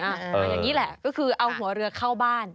อย่างนี้แหละก็คือเอาหัวเรือเข้าบ้าน